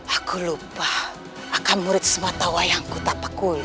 aku lupa akan murid sematawayangku tapak pulo